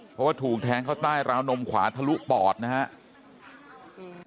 เพราะว่าถูกแทงเข้าใต้ราวนมขวาทะลุปอดนะครับ